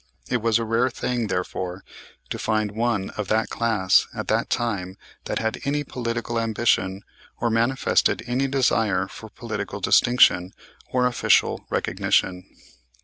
It was a rare thing, therefore, to find one of that class at that time that had any political ambition or manifested any desire for political distinction or official recognition.